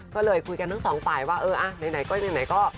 ก็เลยคุยกันทั้งสองฝ่ายว่าเอออ่ะไหนก็ไหนก็